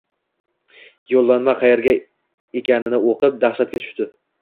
Yo`llanma qaerga ekanini o`qib, dahshatga tushdi